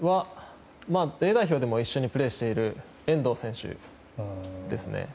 Ａ代表でも一緒にプレーしている遠藤選手ですね。